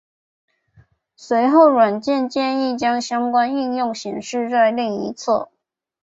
随后软件建议将相关应用显示在另一侧。